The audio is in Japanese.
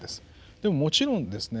でももちろんですね